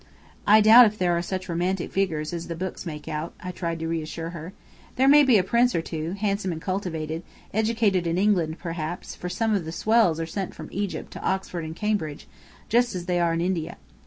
"I doubt if there are such romantic figures as the books make out," I tried to reassure her. "There might be a prince or two, handsome and cultivated, educated in England, perhaps, for some of the 'swells' are sent from Egypt to Oxford and Cambridge, just as they are in India.